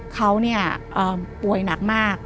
เขาป่วยหนักมาก